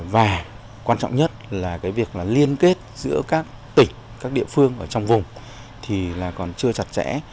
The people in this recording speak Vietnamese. và quan trọng nhất là việc liên kết giữa các tỉnh các địa phương trong vùng còn chưa chặt chẽ